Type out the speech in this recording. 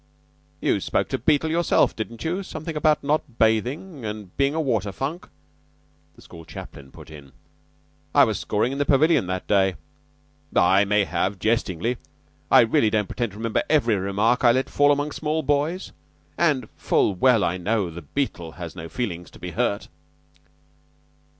"You spoke to Beetle yourself, didn't you? Something about not bathing, and being a water funk?" the school chaplain put in. "I was scoring in the pavilion that day." "I may have jestingly. I really don't pretend to remember every remark I let fall among small boys; and full well I know the Beetle has no feelings to be hurt."